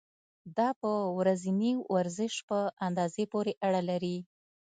دا په ورځني ورزش په اندازې پورې اړه لري.